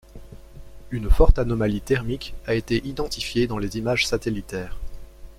Une forte anomalie thermique a été identifiée dans les images satellitaires.